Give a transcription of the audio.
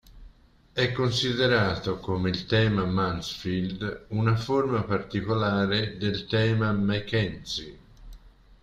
È considerato, come il tema Mansfield, una forma particolare del tema Mackenzie.